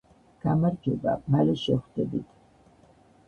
გამარჯობა მალე შევხვდებით